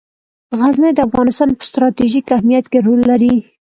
غزني د افغانستان په ستراتیژیک اهمیت کې رول لري.